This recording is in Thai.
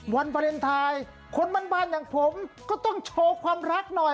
วันวาเลนไทยคนบ้านอย่างผมก็ต้องโชว์ความรักหน่อย